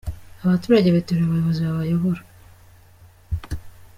Abaturage bitorera abayobozi babayobora.